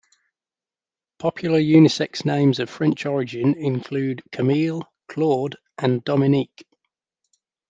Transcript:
Popular unisex names of French origin include Camille, Claude, and Dominique.